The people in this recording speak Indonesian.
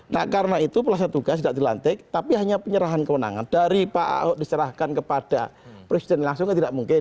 nah karena itu pelaksana tugas tidak dilantik tapi hanya penyerahan kewenangan dari pak ahok diserahkan kepada presiden langsung kan tidak mungkin